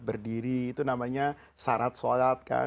berdiri itu namanya syarat sholat kan